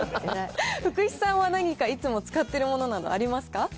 福士さんは何か、いつも使っているものなどありますか？